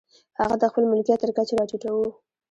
هغه د خپل ملکیت تر کچې را ټیټوو.